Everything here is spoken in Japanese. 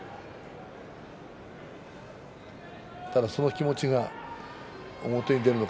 ただ、その気持ちが表に出るのか